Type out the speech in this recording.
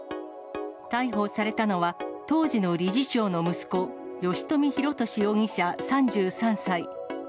逮捕されたのは、当時の理事長の息子、吉冨弘敏容疑者３３歳。